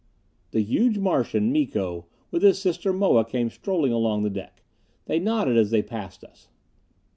The huge Martian, Miko, with his sister Moa came strolling along the deck. They nodded as they passed us.